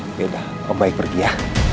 oke dah om baik pergi ya